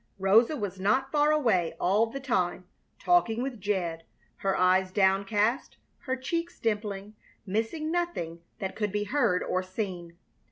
Rosa was not far away all the time, talking with Jed; her eyes downcast, her cheeks dimpling, missing nothing that could be heard or seen.